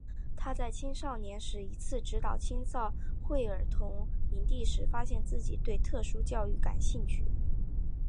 他在青少年时一次指导青年会儿童营地时发现自己对特殊教育感兴趣。